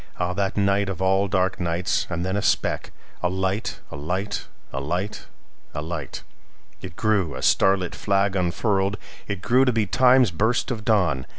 Ah, that nightOf all dark nights! And then a speck—A light! A light! A light! A light! It grew, a starlit flag unfurled! It grew to be Time's burst of dawn.